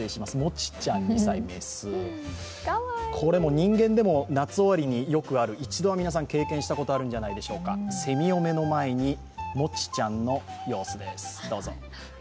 人間でもよくある、一度は皆さん、経験したことがあるんじゃないでしょうか、セミを目の前に、もちちゃんの様子です。